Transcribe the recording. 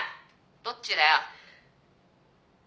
どっちだよ？